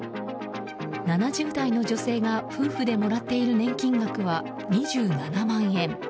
７０代の女性が夫婦でもらっている年金額は２７万円。